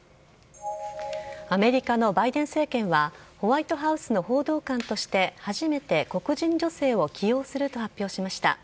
アメリカのバイデン政権はホワイトハウスの報道官として初めて黒人女性を起用すると発表しました。